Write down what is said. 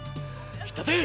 引っ立てい！